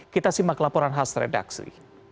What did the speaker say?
kita simak laporan khas redaksi